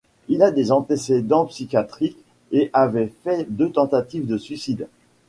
Il a des antécédents psychiatriques et avait fait deux tentatives de suicide.